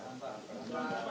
di sini ada poin poinnya